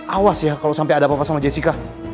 awas ya kalau sampai ada apa apa sama jessica